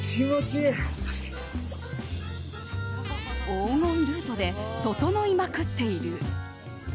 黄金ルートで整いまくっている。